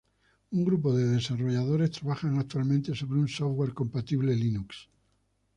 Un grupo de desarrolladores trabajan actualmente sobre un software compatible Linux.